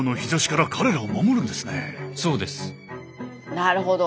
なるほど！